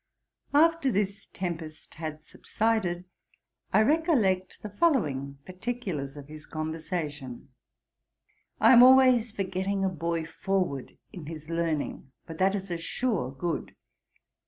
After this tempest had subsided, I recollect the following particulars of his conversation: 'I am always for getting a boy forward in his learning; for that is a sure good.